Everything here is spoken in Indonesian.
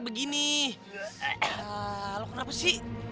tadi juga menurut kamu sendiri